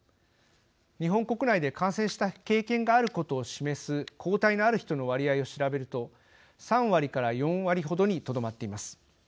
日本国内で感染した経験があることを示す抗体のある人の割合を調べると３割から４割程にとどまっています。